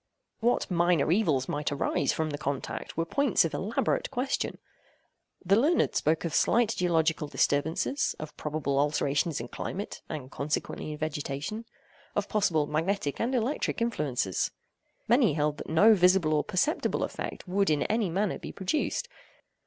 What minor evils might arise from the contact were points of elaborate question. The learned spoke of slight geological disturbances, of probable alterations in climate, and consequently in vegetation, of possible magnetic and electric influences. Many held that no visible or perceptible effect would in any manner be produced.